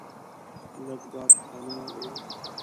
لږ باد پناه و.